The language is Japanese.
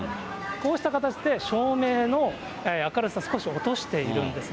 こうした形で照明の明るさを少し落としているんです。